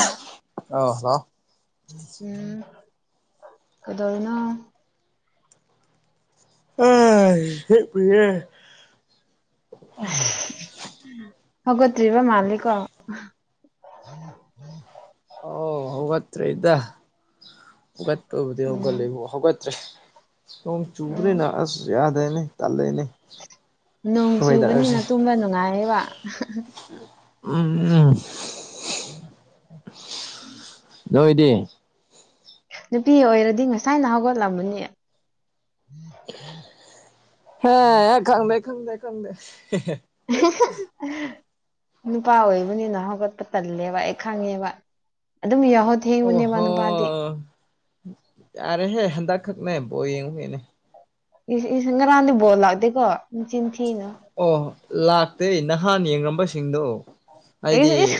ꯑꯥ ꯑꯥꯎ ꯍꯜꯂꯣ ꯎꯝ ꯀꯩꯗꯧꯔꯤꯅꯣ ꯑꯥ ꯍꯤꯞꯄꯤꯌꯦ ꯍꯧꯒꯠꯇ꯭ꯔꯤꯕ ꯃꯥꯂꯦꯀꯣ [inaudible] ꯑꯧ ꯍꯧꯒꯠꯇ꯭ꯔꯤꯗ ꯍꯧꯒꯠꯄꯕꯨꯗꯤ ꯎꯝ ꯍꯧꯒꯠꯂꯦꯕꯨ ꯍꯧꯒꯠꯇ꯭ꯔꯦ ꯅꯣꯡ ꯎꯝ ꯆꯨꯕꯅꯤꯅ ꯑꯁ ꯌꯥꯗꯦꯅꯦ ꯇꯥꯜꯂꯦꯅꯦ ꯅꯣꯡ ꯆꯨꯕꯅꯤꯅ ꯇꯨꯝꯕ ꯅꯨꯡꯉꯥꯏꯌꯦꯕ ꯎꯝ [inaudible] ꯅꯣꯏꯗꯤ ꯅꯨꯄꯤ ꯑꯣꯏꯔꯗꯤ ꯉꯁꯥꯏꯅ ꯍꯧꯒꯠꯂꯝꯃꯅꯤ ꯍꯦ ꯈꯪꯗꯦ ꯈꯪꯗꯦ ꯈꯪꯗꯦ [unintelligible] ꯅꯨꯄꯥ ꯑꯣꯏꯕꯅꯤꯅ ꯍꯧꯒꯠꯄ ꯇꯜꯂꯦꯕ ꯑꯩ ꯈꯪꯉꯦꯕ ꯑꯗꯨꯝ ꯌꯥꯍꯧ__ ꯊꯦꯡꯕꯅꯦꯋꯥ ꯑꯣꯍꯣ ꯅꯨꯄꯥꯗꯤ ꯌꯥꯔꯦꯍꯦ ꯍꯟꯗꯛꯈꯛꯅꯦ ꯕꯣꯜ ꯌꯦꯡꯉꯨꯕꯩꯅꯦ ꯏꯁ ꯏꯁ ꯉꯥꯔꯥꯡꯗꯤ ꯕꯣꯜ ꯂꯥꯛꯇꯦꯀꯣ ꯅꯆꯤꯟ ꯊꯤꯅꯨ ꯑꯣ ꯂꯥꯛꯇꯦ ꯅꯍꯥꯟ ꯌꯦꯡꯉꯝꯕꯁꯤꯡꯗꯣ ꯏꯁ ꯍꯥꯏꯗꯤ ꯏꯁ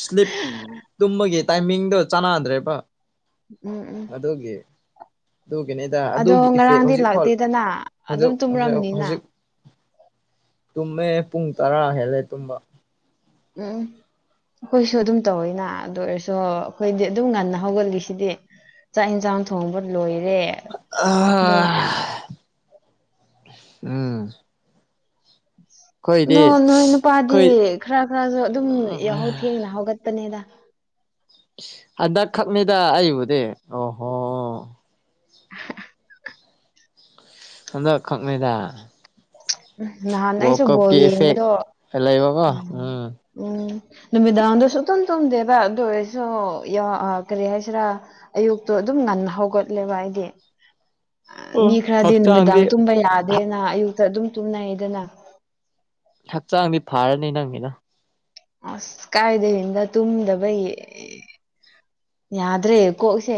ꯁ꯭ꯂꯤꯞ ꯇꯨꯝꯕꯒꯤ ꯇꯥꯏꯃꯤꯡꯗꯣ ꯆꯥꯟꯅꯗ꯭ꯔꯦꯕ ꯎꯝ ꯎꯝ ꯑꯗꯨꯒꯤ ꯑꯗꯨꯒꯤꯅꯤꯗ ꯑꯗꯣ ꯑꯗꯨꯒꯤ ꯏꯐꯦꯛ ꯉꯔꯥꯡꯗꯤ ꯍꯧꯖꯤꯛꯐꯥꯎ ꯂ ꯂꯥꯛꯇꯦꯗꯅ ꯑꯗꯨꯝ ꯍꯧꯖꯤꯛ ꯍꯧꯖꯤꯛ ꯇꯨꯝꯔꯝꯅꯤꯅ ꯍꯧꯖꯤꯛ ꯇꯨꯝꯃꯦ ꯄꯨꯡ ꯇꯔꯥ ꯍꯦꯜꯂꯦ ꯇꯨꯝꯕ ꯎꯝ ꯑꯩꯈꯣꯏꯁꯨ ꯑꯗꯨꯝ ꯇꯧꯋꯤꯅ ꯑꯗꯨ ꯑꯣꯏꯔꯁꯨ ꯑꯩꯈꯣꯏꯗꯤ ꯑꯗꯨꯝ ꯉꯟꯅ ꯍꯧꯒꯠꯂꯤꯁꯤꯗꯤ ꯆꯥꯛ ꯑꯦꯟꯖꯥꯡ ꯊꯣꯡꯕ ꯂꯣꯏꯔꯦ ꯑꯥ ꯑꯗꯣ ꯎꯝ ꯑꯗꯣ ꯑꯩꯈꯣꯏꯗꯤ ꯅꯣꯏ ꯅꯨꯄꯥꯗꯤ ꯑꯩꯈꯣꯏ ꯈꯔ ꯈꯔꯖꯨ ꯑꯗꯨꯝ ꯌꯥꯍꯧ ꯊꯦꯡꯅ ꯍꯧꯒꯠꯄꯅꯤꯗ ꯍꯟꯗꯛ ꯈꯛꯅꯤꯗ ꯑꯩꯕꯨꯗꯤ ꯑꯣꯍꯣ ꯍꯟꯗꯛ ꯈꯛꯅꯤꯗ ꯎꯝ ꯅꯍꯥꯟ ꯋꯥꯜ ꯑꯩꯁꯨ ꯕꯣꯜ ꯀꯞꯀꯤ ꯏꯐꯦꯛ ꯌꯦꯡꯕꯗꯣ ꯈꯥ ꯂꯩꯕꯀꯣ ꯎꯝ ꯎꯝ ꯅꯨꯃꯤꯗꯥꯡꯗꯨ ꯁꯨꯇꯨꯝ ꯇꯨꯝꯗꯦꯕ ꯑꯗꯨ ꯑꯣꯏꯔꯁꯨ ꯌꯥ ꯑꯥ ꯀꯔꯤ ꯍꯥꯏꯁꯤꯔꯥ ꯑꯌꯨꯛꯇꯣ ꯑꯗꯨꯝ ꯉꯟꯅ ꯍꯧꯒꯠꯂꯦꯕ ꯑꯩꯗꯤ ꯑꯣ ꯃꯤ ꯈꯔꯗꯤ ꯅꯨꯃꯤꯗꯥꯡ ꯍꯛꯆꯥꯡꯗꯤ ꯇꯨꯝꯕ ꯌꯥꯗꯦꯅ ꯑꯌꯨꯛꯇ ꯑꯗꯨꯝ ꯇꯨꯝꯅꯩꯗꯅ ꯍꯛꯆꯥꯡꯗꯤ ꯐꯥꯔꯅꯤ ꯅꯪꯒꯤꯅ ꯑꯁ ꯀꯥꯏꯗꯩꯟꯗ ꯇꯨꯝꯗꯕꯩ ꯌꯥꯗ꯭ꯔꯦ ꯀꯣꯛꯁꯦ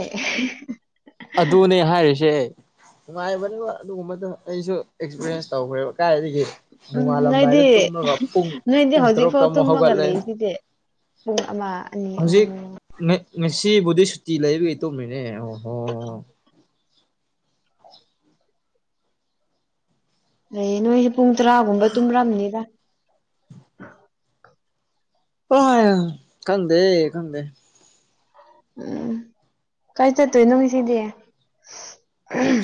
ꯑꯗꯨꯅꯦ ꯍꯥꯏꯔꯤꯁꯦ ꯅꯨꯡꯉꯥꯏꯕꯅꯦꯕ ꯑꯗꯨꯒꯨꯝꯕꯗꯣ ꯑꯩꯁꯨ ꯑꯦꯛꯁꯄꯤꯔꯤꯌꯦꯟꯁ ꯇꯧꯒ꯭ꯔꯦꯕ ꯑꯀꯥꯏꯗꯒꯤ ꯎꯝ ꯅꯣꯏꯗꯤ ꯅꯣꯏꯗꯤ ꯄꯨꯡ ꯍꯧꯖꯤꯛ ꯇꯔꯨꯛꯇ ꯐꯥꯎ ꯑꯃꯨꯛ ꯇꯨꯝꯃꯒ ꯍꯧꯒꯠꯂꯦ ꯂꯩꯁꯤꯗꯤ ꯄꯨꯡ ꯑꯃ ꯑꯅꯤ ꯑꯍꯨꯝ ꯃꯦꯛ ꯉꯁꯤꯕꯨꯗꯤ ꯁꯨꯇꯤ ꯂꯩꯕꯒꯤ ꯇꯨꯝꯃꯤꯅꯦ ꯑꯣ ꯍꯣ ꯅꯩꯌꯦ ꯅꯣꯏꯖꯨ ꯄꯨꯡ ꯇꯔꯥꯒꯨꯝꯕ ꯇꯨꯝꯔꯝꯅꯤꯗ ꯑꯣꯍꯥꯏ ꯈꯪꯗꯦ ꯈꯪꯗꯦ ꯎꯝ ꯀꯥꯏ ꯆꯠꯇꯣꯏꯅꯣ ꯉꯁꯤꯗꯤ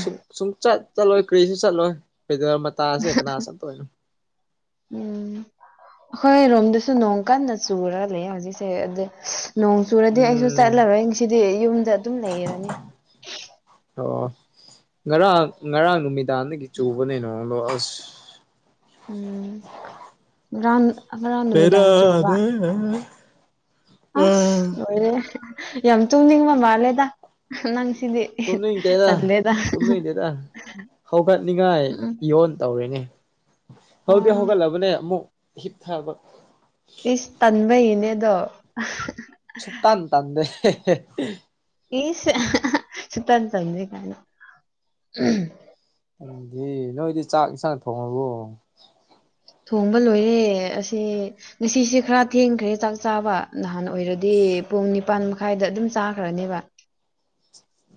ꯁꯨꯡ ꯁꯨꯡꯆꯠ ꯆꯠꯂꯣꯏ ꯀꯔꯤꯁꯨ ꯆꯠꯂꯣꯏ ꯄꯦꯗꯔ ꯃꯇꯥꯁꯦ ꯀꯅꯥ ꯆꯠꯇꯣꯏꯅꯣ ꯎꯝ ꯑꯈꯣꯏꯔꯣꯝꯗꯁꯨ ꯅꯣꯡ ꯀꯟꯅ ꯆꯨꯔ ꯂꯩ ꯍꯧꯖꯤꯛꯁꯦ ꯑꯗꯨ ꯅꯣꯡ__ ꯆꯨꯔꯗꯤ ꯑꯩꯁꯨ ꯎꯝ ꯆꯠꯂꯔꯣꯏ ꯉꯁꯤꯗꯤ ꯌꯨꯝꯗ ꯑꯗꯨꯝ ꯂꯩꯔꯅꯤ ꯑꯣ ꯉꯔꯥꯡ ꯉꯔꯥꯡ ꯅꯨꯃꯤꯗꯥꯡꯗꯒꯤ ꯆꯨꯕꯅꯦ ꯅꯣꯡꯂꯣ ꯑꯁ ꯎꯝ ꯉꯔꯥꯟ ꯉꯔꯥꯡ ꯅꯨꯃꯤꯗꯥꯡ ꯆꯨꯕ ꯎꯝꯎꯝ ꯑꯁ ꯂꯣꯏꯔꯦ ꯌꯥꯝ ꯇꯨꯅꯤꯡꯕ ꯃꯥꯜꯂꯦꯗ ꯅꯪꯁꯤꯗꯤ ꯇꯨꯝꯅꯤꯡꯗꯦꯗ ꯇꯜꯂꯦꯗ ꯇꯨꯝꯅꯤꯡꯗꯦꯗ ꯍꯧꯒꯠꯅꯤꯡꯉꯥꯏ ꯎꯝ ꯌꯣꯟ ꯇꯧꯔꯤꯅꯦ ꯍꯧꯗꯤ ꯑꯣ ꯍꯧꯒꯠꯂꯕꯅꯦ ꯑꯃꯨꯛ ꯍꯤꯞꯊꯥꯕ ꯏꯁ ꯇꯟꯕꯩꯅꯦ ꯑꯗꯣ ꯁꯨꯛꯇꯟ ꯇꯟꯗꯦ ꯏꯁ ꯁꯨꯛꯇꯟ ꯇꯟꯗꯦ ꯀꯥꯏꯅ ꯈꯪꯗꯤꯌꯦ ꯅꯣꯏꯗꯤ ꯆꯥꯛ ꯆꯥꯛ ꯊꯣꯡꯉꯕꯣ ꯊꯣꯡꯕ ꯂꯣꯏꯔꯦ ꯑꯁꯤ ꯉꯁꯤꯁꯦ ꯈꯔ ꯊꯦꯡꯈ꯭ꯔꯦ ꯆꯥꯛ ꯆꯥꯕ ꯅꯍꯥꯟ ꯑꯣꯏꯔꯗꯤ ꯄꯨꯡ ꯅꯤꯄꯥꯟ ꯃꯈꯥꯏꯗ ꯑꯗꯨꯝ ꯆꯥꯈ꯭ꯔꯅꯦꯕ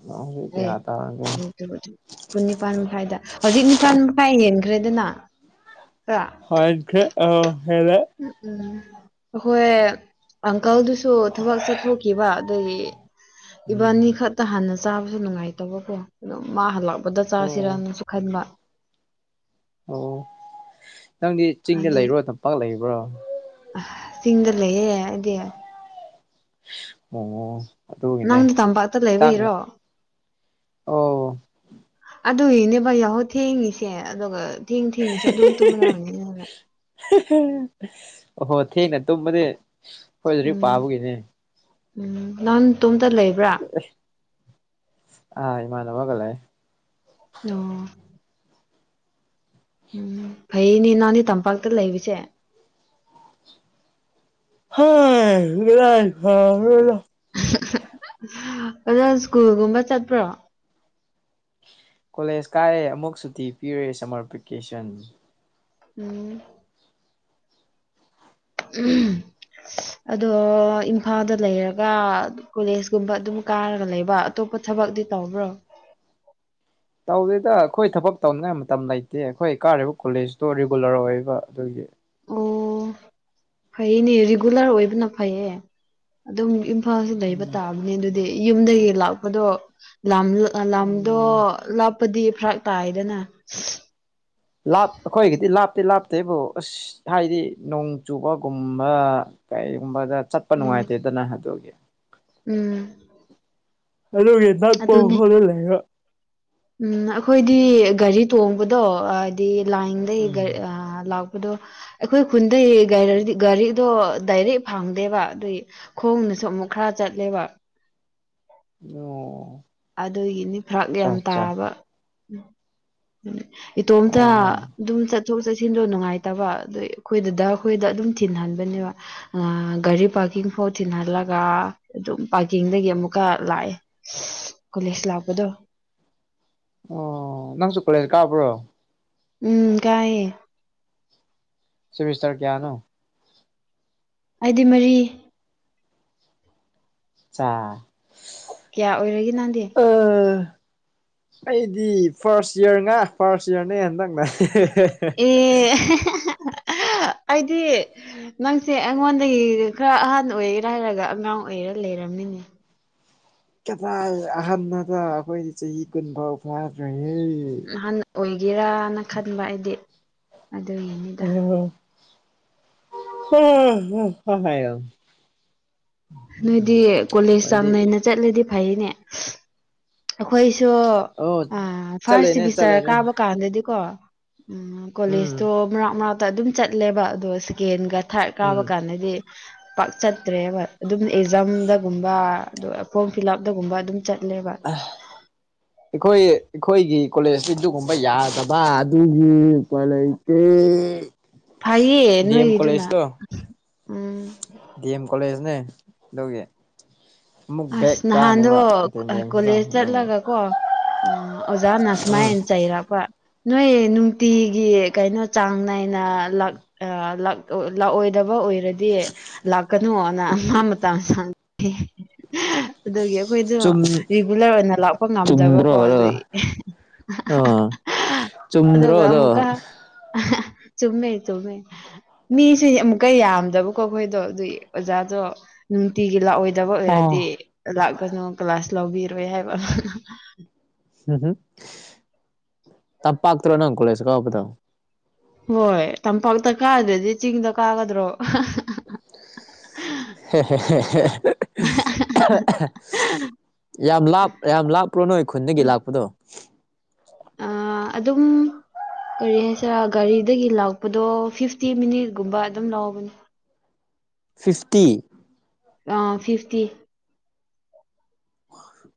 ꯅꯍꯥꯟꯃꯨꯛ ꯌꯥ ꯇꯥꯔꯗꯤ ꯆꯥꯕꯗꯨ ꯄꯨꯡ ꯅꯤꯄꯥꯜ ꯃꯈꯥꯏꯗ ꯍꯧꯖꯤꯛ ꯅꯤꯄꯥꯜ ꯃꯈꯥꯏ ꯍꯦꯟꯈ꯭ꯔꯦꯗꯅ ꯈꯔ ꯍꯦꯟꯈ꯭ꯔꯦ ꯑꯥ ꯍꯦꯜꯂꯦ ꯎꯝ ꯎꯝ ꯑꯈꯣꯏ ꯑꯪꯀꯜꯗꯨꯁꯨ ꯊꯕꯛ ꯆꯠꯊꯣꯛꯈꯤꯕ ꯑꯗꯨꯒꯤ ꯎꯝ ꯏꯕꯥꯅꯤ ꯈꯛꯇ ꯍꯥꯟꯅ ꯆꯥꯕꯁꯨ ꯅꯨꯡꯉꯥꯏꯇꯕꯀꯣ ꯑꯗꯣ ꯃꯥ ꯍꯜꯂꯛ ꯄꯗ ꯑꯣ ꯆꯥꯁꯤꯔꯅꯁꯨ ꯈꯟꯕ ꯑꯣ ꯅꯪꯗꯤ ꯆꯤꯡꯗ ꯑꯗꯨ ꯂꯩꯕ꯭ꯔꯣ ꯇꯝꯄꯥꯛ ꯂꯩꯕ꯭ꯔꯣ ꯆꯤꯡꯗ ꯂꯩꯌꯦ ꯑꯩꯗꯤ ꯑꯣ ꯑꯗꯨꯒꯤꯅꯦ ꯅꯪꯗꯤ ꯇꯝꯄꯥꯛꯇ ꯆꯥꯛ ꯂꯩꯕꯩꯔꯣ ꯑꯣ ꯑꯗꯨꯒꯤꯅꯦꯕ ꯌꯥꯍꯧ ꯊꯦꯡꯉꯤꯁꯦ ꯑꯗꯨꯒ ꯊꯦꯡ ꯊꯦꯡꯅꯁꯨ ꯑꯗꯨꯝ ꯇꯨꯝꯔꯝꯅꯤꯗ ꯅꯪ ꯑꯣꯍꯣ ꯊꯦꯡꯅ ꯇꯨꯝꯕꯗꯤ ꯈꯣꯏ ꯂꯥꯏꯔꯤꯛ ꯎꯝ ꯄꯥꯕꯒꯤꯅꯦ ꯎꯝ ꯅꯪ ꯇꯣꯝꯇ ꯂꯩꯕ꯭ꯔꯥ ꯑꯁ ꯑꯥ ꯏꯃꯥꯟꯅꯕꯒ ꯂꯩ ꯅꯣ ꯎꯝ ꯐꯩꯌꯦꯅꯦ ꯅꯪꯗꯤ ꯇꯝꯄꯥꯛꯇ ꯂꯩꯕꯁꯦ ꯍꯥꯏ ꯀꯗꯥꯏ ꯐꯕꯅꯣꯗꯥ ꯑꯗꯣ ꯁ꯭ꯀꯨꯜꯒꯨꯝꯕ ꯆꯠꯄ꯭ꯔꯣ ꯀꯣꯂꯦꯖ ꯀꯥꯏꯌꯦ ꯑꯃꯨꯛ ꯁꯨꯇꯤ ꯄꯤꯔꯦ ꯁꯝꯃꯔ ꯚꯦꯀꯦꯁꯟ ꯎꯝ ꯑꯗꯣ ꯏꯝꯐꯥꯜꯗ ꯂꯩꯔꯒ ꯀꯣꯂꯦꯖꯀꯨꯝꯕ ꯑꯗꯨꯝ ꯀꯥꯔꯒ ꯂꯩꯕ ꯑꯇꯣꯞꯄ ꯊꯕꯛꯇꯤ ꯇꯧꯕ꯭ꯔꯣ ꯇꯧꯗꯦꯗꯥ ꯑꯈꯣꯏ ꯊꯕꯛ ꯇꯧꯅꯤꯡꯉꯥꯏ ꯃꯇꯝ ꯂꯩꯇꯦ ꯑꯩꯈꯣꯏ ꯀꯥꯔꯤꯕ ꯀꯣꯂꯦꯖꯇꯣ ꯔꯤꯒꯨꯂꯔ ꯑꯣꯏꯕ ꯑꯗꯨꯒꯤ ꯑꯣ ꯐꯩꯅꯦ ꯔꯤꯒꯨꯂꯔ ꯑꯣꯏꯕꯅ ꯐꯩꯌꯦ ꯑꯗꯨꯝ ꯏꯝ ꯐꯥꯜꯁꯨ ꯂꯩꯕ ꯎꯝ ꯇꯥꯕꯅꯤ ꯑꯗꯨꯗꯤ ꯌꯨꯝꯗꯒꯤ ꯂꯥꯛꯄꯗꯣ ꯂꯥꯝ ꯂꯝꯗꯣ ꯎꯝ ꯂꯥꯞꯄꯗꯤ ꯐꯔꯛ ꯇꯥꯏꯗꯅ ꯂꯥꯞ ꯑꯩꯈꯣꯏꯒꯤꯗꯤ ꯂꯥꯞꯇꯤ ꯂꯥꯞꯇꯦꯕꯨ ꯑꯁ ꯍꯥꯏꯗꯤ ꯅꯣꯡ ꯆꯨꯕꯒꯨꯝꯕ ꯀꯩꯒꯨꯝꯕꯗ ꯆꯠꯄ ꯎꯝ ꯅꯨꯡꯉꯥꯏꯇꯦꯗꯅ ꯑꯗꯨꯒꯤ ꯎꯝ ꯑꯗꯨꯒꯤ ꯅꯛꯄ ꯑꯗꯨꯅꯦ ꯃꯐꯝꯗ ꯂꯩꯕ ꯎꯝ ꯑꯈꯣꯏꯗꯤ ꯒꯥꯔꯤ ꯇꯣꯡꯕꯗꯣ ꯑꯗꯤ ꯂꯥꯏꯟꯗꯩ ꯒꯥ ꯎꯝ ꯑ ꯂꯥꯛ ꯄꯗꯣ ꯑꯩꯈꯣꯏ ꯈꯨꯟꯗꯩ ꯒꯥꯏꯔꯤ ꯒꯥꯔꯤꯗꯣ ꯗꯥꯏꯔꯦꯛ ꯐꯪꯗꯦꯕ ꯑꯗꯨꯏ ꯈꯣꯡꯅ ꯁꯨ ꯑꯃꯨꯛ ꯈꯔ ꯆꯠꯂꯦꯕ ꯑꯣ ꯑꯗꯨꯒꯤꯅꯤ ꯐꯔꯛ ꯑꯆꯥ ꯌꯥꯝ ꯑꯆꯥ ꯇꯥꯕ ꯏꯇꯣꯝꯇ ꯑꯣ ꯑꯗꯨꯝ ꯆꯠꯊꯣꯛ ꯆꯠꯁꯤꯟꯗꯣ ꯅꯨꯡꯉꯥꯏꯇꯕ ꯑꯗꯨꯏ ꯑꯩꯈꯣꯏ ꯗꯥꯗꯥ ꯈꯣꯏꯗ ꯑꯗꯨꯝ ꯊꯤꯟꯍꯟꯕꯅꯦꯕ ꯑ ꯒꯥꯔꯤ ꯄꯥꯔꯀꯤꯡ ꯐꯥꯎ ꯊꯤꯍꯜꯂꯒ ꯑꯗꯨꯝ ꯄꯥꯔꯀꯤꯡꯗꯒꯤ ꯑꯃꯨꯛꯀ ꯂꯥꯛꯑꯦ ꯀꯣꯂꯦꯁ ꯂꯥꯛꯄꯗꯣ ꯑꯣ ꯅꯪꯁꯨ ꯀꯣꯂꯦꯖ ꯀꯥꯕ꯭ꯔꯣ ꯎꯝ ꯀꯥꯏꯌꯦ ꯁꯦꯃꯤꯁꯇꯔ ꯀꯌꯥꯅꯣ ꯑꯩꯗꯤ ꯃꯔꯤ ꯆꯥ ꯀꯌꯥ ꯑꯣꯏꯔꯒꯦ ꯅꯪꯗꯤ ꯑꯥ ꯑꯩꯗꯤ ꯐꯥꯔꯁ ꯏꯌꯥꯔ ꯉꯥ ꯐꯥꯔꯁ ꯏꯌꯥꯔꯅꯦ ꯅꯪꯅꯥ ꯑꯦ ꯑꯩꯗꯤ ꯅꯪꯁꯦ ꯑꯩꯉꯣꯟꯗꯒꯤ ꯈꯔ ꯑꯍꯥꯟ ꯑꯣꯏꯔꯤꯔꯥ ꯍꯥꯏꯔꯒ ꯑꯉꯥꯡ ꯑꯣꯏꯔ ꯂꯩꯔꯝꯃꯤꯅꯦ ꯀꯗꯥꯥꯏ ꯑꯍꯟꯅꯣꯗ ꯑꯩꯈꯣꯏꯗꯤ ꯆꯍꯤ ꯀꯨꯟꯐꯥꯎ ꯐꯥꯗ꯭ꯔꯤꯌꯦ ꯑꯍꯥꯟ ꯑꯣꯏꯒꯦꯔꯅ ꯈꯟꯕ ꯑꯩꯗꯤ ꯑꯗꯨꯒꯤꯅꯦ [unintelligible] ꯅꯣꯏꯗꯤ ꯀꯣꯂꯦꯖ ꯆꯥꯡ ꯅꯥꯏꯅ ꯆꯠꯂꯗꯤ ꯐꯩꯅꯦ ꯑꯩꯈꯣꯏꯁꯨ ꯑꯣ ꯑ ꯐꯥꯔꯁ ꯆꯠꯂꯦꯅꯦ ꯁꯤꯕꯤꯁꯇꯔ ꯆꯠꯂꯦꯅꯦ ꯀꯥꯕ ꯀꯥꯟꯗꯗꯤꯀꯣ ꯎꯝ ꯎꯝ ꯀꯣꯂꯦꯖꯇꯣ ꯃꯔꯛ ꯃꯔꯛꯇ ꯑꯗꯨꯝ ꯆꯠꯂꯦꯕ ꯑꯗꯣ ꯁꯦꯀꯦꯟꯒ ꯊꯥꯔꯠ ꯀꯥꯕ ꯎꯝ ꯀꯥꯟꯗꯗꯤ ꯄꯥꯛ ꯆꯠꯇ꯭ꯔꯦꯕ ꯑꯗꯨꯝ ꯑꯦꯛꯖꯥꯝꯗꯒꯨꯝꯕ ꯑꯗꯨ ꯐꯣꯔꯝ ꯐꯤꯜ ꯑꯞꯇꯒꯨꯝꯕ ꯑꯗꯨꯝ ꯆꯠꯂꯦꯕ ꯑꯥ ꯑꯩꯈꯣꯏ ꯑꯩꯈꯣꯏꯒꯤ ꯀꯣꯂꯦꯖꯇꯤ ꯑꯗꯨꯒꯨꯝꯕ ꯌꯥꯗꯕ ꯑꯗꯨꯒꯤ ꯎꯄꯥꯏ ꯂꯩ ꯇꯦ ꯐꯩꯌꯦ ꯅꯣꯏꯒꯤꯗꯨꯅ ꯎꯝ ꯗꯤ ꯑꯦꯝ ꯀꯣꯂꯦꯖꯅꯦ ꯑꯗꯨꯒꯤ ꯑꯃꯨꯛ [inaudible] ꯕꯦꯛ ꯑꯁ ꯅꯍꯥꯟꯗꯣ ꯆꯥꯅꯦꯕ ꯑꯦꯇꯦꯟꯗꯦꯟꯁꯇ ꯀꯣꯂꯦꯖ ꯑꯗꯨꯒꯤ ꯆꯠꯂꯒꯀꯣ ꯑ ꯑꯣꯖꯥꯅ ꯎꯝ ꯁꯨꯃꯥꯏꯅ ꯆꯩꯔꯛꯄ ꯅꯣꯏ ꯅꯨꯡꯇꯤꯒꯤ ꯀꯩꯅꯣ ꯆꯥꯡ ꯅꯥꯏꯅ ꯂꯥꯛ ꯑꯥ ꯂꯥꯛ ꯂꯥꯛꯑꯣꯏꯗꯕ ꯑꯣꯏ ꯔꯗꯤ ꯂꯥꯛꯀꯅꯨꯅ ꯃꯥ ꯃꯇꯝ ꯁꯥꯡ ꯑꯗꯨꯒꯤ ꯑꯩꯈꯣꯏꯗꯣ ꯆꯨꯝ ꯔꯤꯒꯨꯂꯔ ꯑꯣꯏꯅ ꯂꯥꯛꯄ ꯉꯝꯗꯕꯀꯣ ꯑꯗꯨꯏ ꯑ ꯆꯨꯝꯗ꯭ꯔꯣ ꯑꯗꯣ ꯑꯃꯨꯛꯀ ꯆꯨꯝꯃꯦ ꯆꯨꯝꯃꯦ ꯃꯤꯁꯦ ꯑꯃꯨꯛꯀ ꯌꯥꯝꯗꯕꯀꯣ ꯑꯩꯈꯣꯏꯗꯣ ꯑꯗꯨꯏ ꯑꯣꯖꯥꯗꯣ ꯅꯨꯡꯇꯤꯒꯤ ꯂꯥꯛꯑꯣꯏꯗꯕ ꯑꯣꯏꯔꯗꯤ ꯑꯥ ꯂꯥꯛꯀꯅꯣ ꯀ꯭ꯂꯥꯁ ꯂꯧꯕꯤꯔꯣꯏ ꯍꯥꯏꯕ ꯍꯨꯝꯍꯨꯝ ꯇꯝꯄꯥꯛꯇꯔꯣ ꯅꯪ ꯀꯣꯂꯦꯖ ꯀꯥꯕꯗꯣ ꯍꯣꯏ ꯇꯝꯄꯥꯛꯇ ꯀꯥꯗ꯭ꯔꯗꯤ ꯆꯤꯡꯗ ꯀꯥꯒꯗ꯭ꯔꯣ ꯍꯦ ꯍꯦ ꯍꯦ ꯍꯦ ꯌꯥꯝ ꯂꯥꯞ ꯌꯥꯝ ꯂꯥꯞꯄ꯭ꯔꯣ ꯅꯣꯏ ꯈꯨꯟꯗꯒꯤ ꯂꯥꯛꯄꯗꯣ ꯑ ꯑꯗꯨꯝ ꯀꯔꯤ ꯍꯥꯏꯁꯤꯔ ꯒꯥꯔꯤꯗꯒꯤ ꯂꯥꯛꯄꯗꯣ ꯐꯤꯐꯇꯤ ꯃꯤꯅꯤꯠꯒꯨꯝꯕ ꯑꯗꯨꯝ ꯂꯧꯕꯅꯦ ꯐꯤꯐꯇꯤ ꯑꯥ ꯐꯤꯐꯇꯤ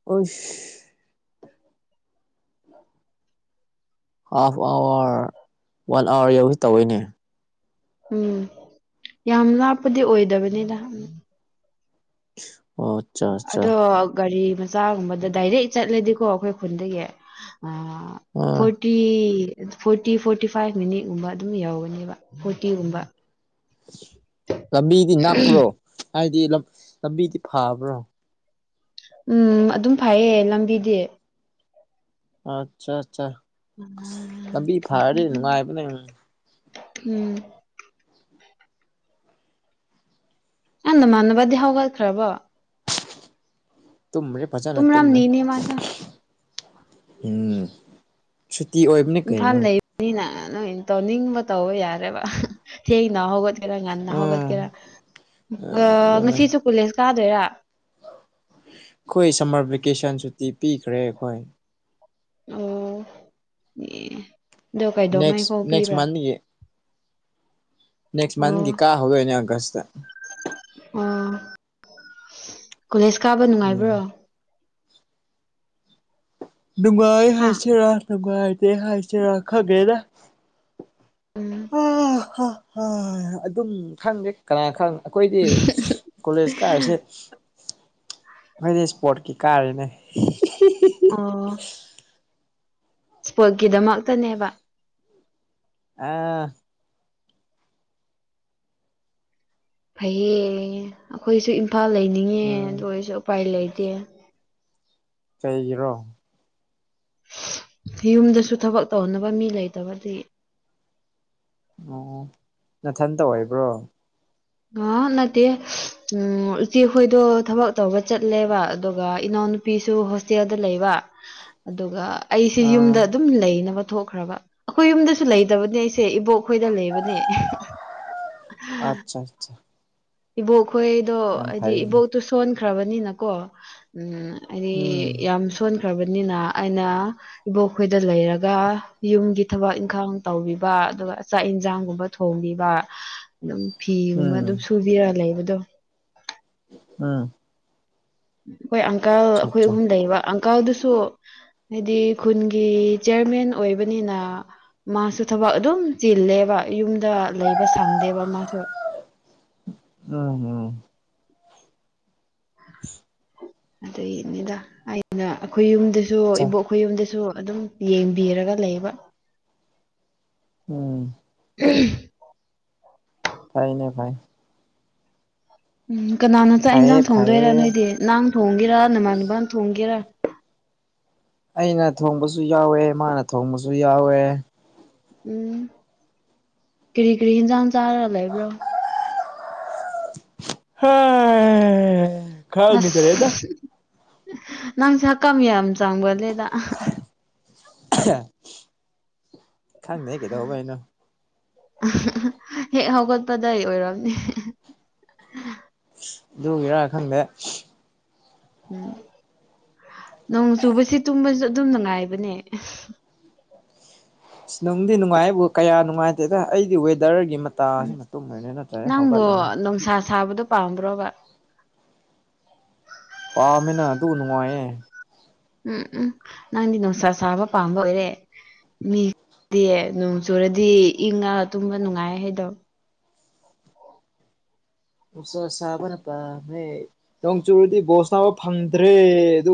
ꯑꯣꯁ ꯑꯥꯐ ꯑꯋꯥꯔ ꯋꯥꯟ ꯑꯋꯥꯔ ꯌꯧꯒꯦ ꯇꯧꯋꯦꯅꯦ ꯎꯝ ꯌꯥꯝ ꯂꯥꯞꯄꯗꯤ ꯑꯣꯏꯗꯕꯅꯤꯗ ꯑꯣ ꯑꯠꯆꯥ ꯑꯠꯆꯥ ꯑꯗꯣ ꯒꯥꯔꯤ ꯃꯆꯥꯒꯨꯝꯕꯗ ꯗꯥꯏꯔꯦꯛ ꯆꯠꯂꯗꯤꯀꯣ ꯑꯩꯈꯣꯏ ꯈꯨꯟꯗꯒꯤ ꯑꯥ ꯑꯥ food T forty forty five ꯃꯤꯅꯤꯠꯒꯨꯝꯕ ꯑꯗꯨꯝ ꯌꯧꯒꯅꯤꯕ ꯐꯣꯔꯇꯤꯒꯨꯝꯕ ꯂꯝꯕꯤꯗꯤ ꯅꯛꯄ꯭ꯔꯣ ꯍꯥꯏꯗꯤ ꯂꯝ ꯂꯝꯕꯤꯗꯤ ꯐꯕ꯭ꯔꯥ ꯎꯝ ꯑꯗꯨꯝ ꯐꯩꯌꯦ ꯂꯝꯕꯤꯗꯤ ꯑꯠꯆꯥ ꯑꯠꯆꯥ ꯂꯝꯕꯤ ꯐꯔꯗꯤ ꯅꯨꯡꯉꯥꯏꯕꯅꯦ ꯎꯝ ꯅꯪ ꯅꯃꯥꯟꯅꯕꯗꯤ ꯍꯧꯒꯠꯈ꯭ꯔꯕꯣ ꯇꯨꯝꯔꯤꯞ ꯇꯨꯝꯔꯝꯅꯤꯅꯦ ꯃꯥꯁꯨ ꯎꯝ ꯁꯨꯇꯤ ꯑꯣꯏꯕꯅꯦ ꯀꯩꯅꯣ ꯅꯤꯅ ꯅꯣꯏ ꯇꯧꯅꯤꯡꯕ ꯇꯧꯕ ꯌꯥꯔꯦꯕ ꯊꯦꯡꯅ ꯍꯧꯒꯠ ꯈꯔ ꯉꯟꯅ ꯎꯝ ꯍꯧꯒꯠꯀꯦꯔ ꯒꯥ ꯑꯗꯨꯅꯦ ꯉꯁꯤꯁꯨ ꯀꯨꯂꯦꯁ ꯀꯥꯗꯣꯏꯔ ꯑꯩꯈꯣꯏ ꯁꯝꯃꯔ ꯚꯦꯀꯦꯁꯟ ꯁꯨꯇꯤ ꯄꯤꯈ꯭ꯔꯦ ꯑꯩꯈꯣꯏ ꯑꯣ ꯑꯦ ꯑꯗꯣ ꯀꯩꯗꯧꯉꯩ ꯅꯦꯛꯁ ꯐꯥꯎ ꯅꯦꯛꯁ ꯄꯤꯕ꯭ꯔꯥ ꯃꯟꯒꯤ ꯅꯦꯛꯁ ꯑꯣ ꯃꯟꯒꯤ ꯀꯥ ꯍꯧꯗꯣꯏꯅꯣ ꯑꯒꯁꯇ ꯑꯣ ꯀꯣꯂꯦꯖ ꯀꯥꯕ ꯎꯝ ꯅꯨꯡꯉꯥꯏꯕ꯭ꯔꯣ ꯅꯨꯡꯉꯥꯏ ꯍꯥ ꯍꯥꯏꯁꯔꯥ ꯅꯨꯡꯉꯥꯏꯇꯦ ꯍꯥꯏꯁꯤꯔ ꯈꯪꯗꯦꯗ ꯎꯝ ꯍꯥ ꯍꯥ ꯍꯥ ꯑꯗꯨꯝ ꯈꯪꯗꯦ ꯀꯅꯥ ꯈꯪ ꯑꯩꯈꯣꯏꯗꯤ ꯀꯣꯂꯦꯖ ꯀꯥꯔꯤꯁꯦ ꯈꯣꯏꯗꯤ ꯁ꯭ꯄꯣꯔꯠꯀꯤ ꯀꯥꯔꯤꯅꯦ ꯑꯣ ꯁ꯭ꯄꯣꯔꯠꯀꯤꯗꯃꯛꯇꯅꯦꯕ ꯑꯥ ꯐꯩꯌꯦ ꯑꯩꯈꯣꯏꯁꯨ ꯏꯝꯐꯥꯜ ꯂꯩꯅꯤꯡꯉꯦ ꯑꯗꯨ ꯎꯝ ꯑꯣꯏꯔꯁꯨ ꯎꯄꯥꯏ ꯂꯩꯇꯦ ꯀꯩꯒꯤꯔꯣ ꯌꯨꯝꯗꯁꯨ ꯊꯕꯛ ꯇꯧꯅꯕ ꯃꯤ ꯂꯩꯇꯕ ꯗꯨꯒꯤ ꯑꯣ ꯅꯊꯟꯇ ꯑꯣꯏꯕ꯭ꯔꯣ ꯉꯦ ꯅꯠꯇꯦ ꯎꯝ ꯏꯆꯦꯈꯣꯏꯗꯣ ꯊꯕꯛ ꯇꯧꯕ ꯆꯠꯂꯦꯕ ꯑꯗꯨꯒ ꯏꯅꯥꯎꯅꯨꯞ ꯄꯤꯁꯨ ꯍꯣꯁꯇꯦꯜꯗ ꯂꯩꯕ ꯑꯗꯨꯒ ꯑꯩꯁꯤ ꯌꯨꯝꯗ ꯑꯥ ꯑꯗꯨꯝ ꯂꯩꯅꯕ ꯊꯣꯛꯈ꯭ꯔꯕ ꯑꯩꯈꯣꯏ ꯌꯨꯝꯗꯁꯨ ꯂꯩꯇꯕꯅꯦ ꯑꯩꯁꯦ ꯏꯕꯣꯛ ꯈꯣꯏꯗ ꯂꯩꯕꯅꯦ ꯑꯠꯆꯥꯆꯥ ꯏꯕꯣꯛꯈꯣꯏꯗꯣ ꯍꯥꯏꯗꯤ ꯐꯩꯌꯦꯅꯦ ꯏꯕꯣꯛꯇꯨ ꯁꯣꯟꯈ꯭ꯔꯕꯅꯤꯅꯀꯣ ꯎꯝ ꯑꯥꯏꯗꯤ ꯎꯝ ꯌꯥꯝ ꯁꯣꯟꯈ꯭ꯔꯕꯅꯤꯅ ꯑꯩꯅ ꯏꯕꯣꯛꯈꯣꯏꯗ ꯂꯩꯔꯒ ꯌꯨꯝꯒꯤ ꯊꯕꯛ ꯏꯪꯈꯥꯡ ꯇꯧꯕꯤꯕ ꯑꯗꯨꯒ ꯆꯥꯛ ꯏꯟꯖꯥꯡꯒꯨꯝꯕ ꯊꯣꯡꯕꯤꯕ ꯑꯗꯨꯝ ꯐꯤꯒꯨꯝꯕ ꯑꯗꯨꯝ ꯎꯝ ꯁꯨꯕꯤꯔ ꯂꯩꯕꯗꯣ ꯎꯝ ꯑꯩꯈꯣꯏ ꯑꯪꯀꯜ ꯑꯆꯥ ꯑꯩꯈꯣꯏ ꯑꯆꯥ ꯑꯍꯨꯝ ꯂꯩꯕ ꯑꯪꯀꯜꯗꯨꯁꯨ ꯍꯥꯏꯗꯤ ꯈꯨꯟꯒꯤ ꯆꯤꯔꯃꯦꯟ ꯑꯣꯏꯕꯅꯤꯅ ꯃꯥꯁꯨ ꯊꯕꯛ ꯑꯗꯨꯝ ꯆꯤꯜꯂꯦꯕ ꯌꯨꯝꯗ ꯂꯩꯕ ꯁꯪꯗꯦꯕ ꯃꯥꯁꯨ ꯎꯝ ꯎꯝ [inaudible] ꯑꯗꯨꯒꯤꯅꯤꯗ ꯑꯩꯅ ꯑꯈꯣꯏ ꯌꯨꯝꯗꯁꯨ ꯆꯥ ꯏꯕꯣꯛ ꯈꯣꯏ ꯌꯨꯝꯗꯁꯨ ꯑꯗꯨꯝ ꯌꯦꯡꯕꯤꯔꯒ ꯂꯩꯕ ꯎꯝ ꯎꯝ ꯐꯩꯅꯦ ꯐꯩ ꯎꯝ ꯀꯅꯥꯅ ꯆꯥꯛ ꯐꯩꯌꯦ ꯏꯟꯖꯥꯡ ꯊꯣꯡꯗꯣꯏꯔꯥ ꯐꯩꯌꯦ ꯅꯣꯏꯗꯤ ꯅꯪ ꯊꯣꯡꯒꯦꯔꯥ ꯅꯃꯥꯟꯅꯕ ꯊꯣꯡꯒꯦꯔꯥ ꯑꯩꯅ ꯊꯣꯡꯕꯁꯨ ꯌꯥꯎꯋꯦ ꯃꯥꯅ ꯊꯣꯡꯕꯁꯨ ꯌꯥꯎꯋꯦ ꯎꯝ ꯀꯔꯤ ꯀꯔꯤ ꯍꯤꯟꯖꯥꯡ ꯆꯥꯔꯒ ꯂꯩꯕ꯭ꯔꯣ ꯍꯥ ꯈꯪꯒꯤꯗ꯭ꯔꯦꯗ ꯑꯁ ꯅꯪꯁꯦ ꯍꯛꯀꯝ ꯌꯥꯝ ꯆꯪꯕꯂꯤꯗ ꯈꯪꯗꯦ ꯀꯩꯗꯧꯕꯩꯅꯣ ꯍꯦꯛ ꯍꯧꯒꯠꯄꯗꯩ ꯑꯣꯏꯔꯝꯅꯤ ꯗꯨꯒꯤꯔꯥ ꯈꯪꯗꯦ ꯎꯝ ꯅꯣꯡ ꯆꯨꯕꯁꯦ ꯇꯨꯝꯕꯁꯨ ꯑꯗꯨꯝ ꯅꯨꯡꯉꯥꯏꯕꯅꯦ ꯑꯁ ꯅꯨꯡꯗꯤ ꯅꯨꯡꯉꯥꯏꯕꯨ ꯀꯌꯥ ꯅꯨꯡꯉꯥꯏꯇꯦꯗ ꯑꯩꯒꯤ ꯋꯦꯗꯔꯒꯤ ꯃ ꯎꯝ ꯅꯪꯕꯨ ꯅꯨꯡꯁꯥ ꯁꯥꯕꯗꯣ ꯄꯥꯝꯕ꯭ꯔꯣꯕ ꯄꯥꯝꯃꯤꯅ ꯑꯗꯨ ꯅꯨꯡꯉꯥꯏꯌꯦ ꯎꯝ ꯎꯝ ꯅꯪꯗꯤ ꯅꯨꯡꯁꯥ ꯁꯥꯕ ꯄꯥꯝꯕ ꯑꯣꯏꯔꯦ ꯃꯤꯗꯤ ꯅꯣꯡ ꯆꯨꯔꯗꯤ ꯏꯪꯉ ꯇꯨꯝꯕ ꯅꯨꯡꯉꯥꯏ ꯍꯥꯏꯗꯣ ꯅꯨꯡꯁꯥ ꯁꯥꯕꯅ ꯄꯥꯝꯃꯦ ꯅꯣꯡ ꯆꯨꯔꯗꯤ ꯕꯣꯜ ꯁꯥꯅꯥꯕ ꯐꯪꯗ꯭ꯔꯦ ꯑꯗꯨ